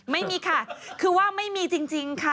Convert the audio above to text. ไม่มีค่ะคือว่าไม่มีจริงค่ะ